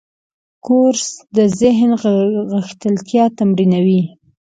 کورس د ذهن غښتلتیا تمرینوي.